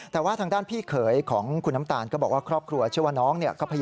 แต่ว่าทางด้านพี่เขยของคุณน้ำตาลก็บอกว่าครอบครัวเชื่อว่าน้องเนี่ยก็พยายาม